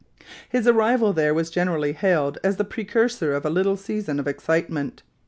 His arrival there was generally hailed as the precursor of a little season of excitement.